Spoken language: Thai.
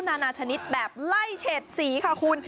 นานาชนิดแบบไล่เฉดสีค่ะคุณ